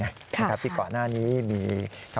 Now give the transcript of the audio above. ท่านก็ให้เกียรติผมท่านก็ให้เกียรติผม